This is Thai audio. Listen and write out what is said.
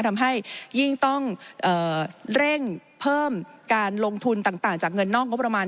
ทำให้ยิ่งต้องเร่งเพิ่มการลงทุนต่างจากเงินนอกงบประมาณ